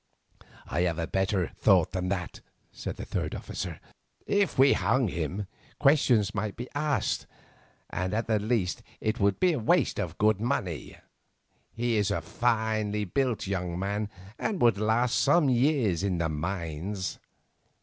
"I have a better thought than that," said the third officer. "If we hung him questions might be asked, and at the least, it would be a waste of good money. He is a finely built young man and would last some years in the mines.